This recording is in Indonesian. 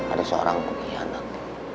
ada seorang pengkhianat